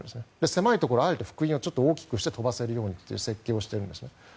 狭いところを幅員を大きくして飛ばせるようにと設計しているんです。